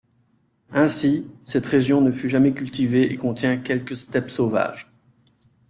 Ainsi, cette région ne fut jamais cultivée et contient quelques steppes sauvages.